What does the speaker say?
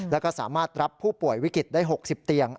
แล้วก็สามารถรับผู้ป่วยวิกฤตได้๖๐เตียง